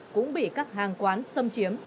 cũng bị các hàng quán xâm chiếm